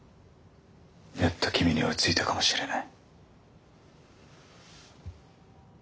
やっと君に追いついたかもしれない。